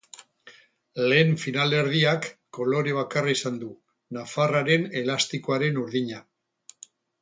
Lehen finalerdiak kolore bakarra izan du, nafarraren elastikoaren urdina.